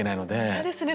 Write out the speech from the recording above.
嫌ですね